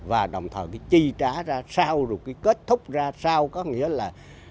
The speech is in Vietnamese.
và đồng thời cái chi trả ra sau rồi cái kết thúc ra sau có nghĩa là